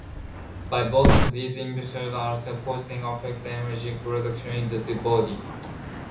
By both these inhibitions, arsenite poisoning affects energy production in the body.